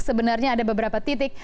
sebenarnya ada beberapa titik